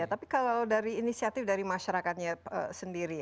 tapi kalau dari inisiatif dari masyarakatnya sendiri